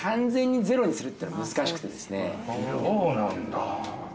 そうなんだ。